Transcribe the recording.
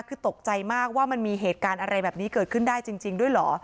คือตกใจมากว่ามันมีเหตุการณ์อะไรแบบนี้เกิดขึ้นได้จริงด้วยเหรอ